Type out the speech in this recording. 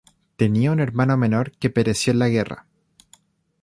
Tenía un hermano menor que pereció en la guerra.